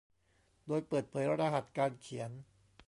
โดยเปิดเผยรหัสการเขียน